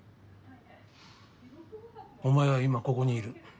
お前が今ここにいる。